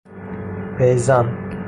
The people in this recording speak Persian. پی زن